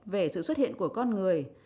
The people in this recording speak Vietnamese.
về sự xuất hiện của con người